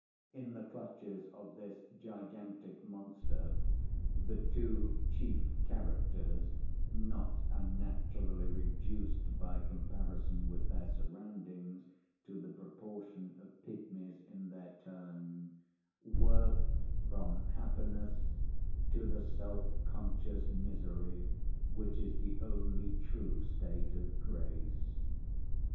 In the clutches of this gigantic monster, the two chief characters not unnaturally reduced by comparison with their surroundings to the proportion of pygmies in their turn, worked from happiness to the self conscious misery which is the only true state of grace.